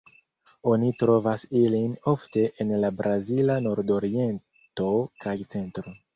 Oni trovas ilin ofte en la brazila nordoriento kaj centro.